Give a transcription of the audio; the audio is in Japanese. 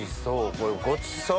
これごちそう！